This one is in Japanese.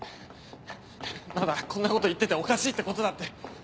まだこんなこと言ってておかしいってことだって。